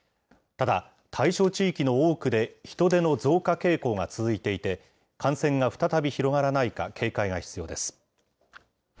ただ、対象地域の多くで人出の増加傾向が続いていて、感染が再び広がらないか警戒が必要です。